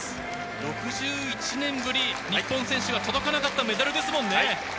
６１年ぶり日本選手は届かなかったメダルですもんね。